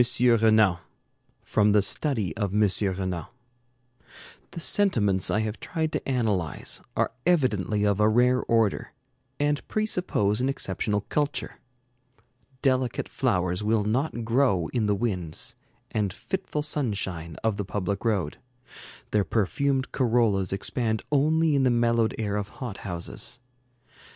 RENAN From the 'Study of M. Renan' The sentiments I have tried to analyze are evidently of a rare order, and presuppose an exceptional culture. Delicate flowers will not grow in the winds and fitful sunshine of the public road. Their perfumed corollas expand only in the mellowed air of hot houses.